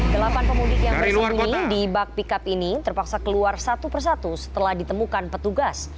delapan pemudik yang bersembunyi di bak pickup ini terpaksa keluar satu persatu setelah ditemukan petugas